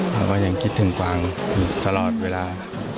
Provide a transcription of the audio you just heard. เราก็ยังคิดถึงกวางอยู่ตลอดเวลา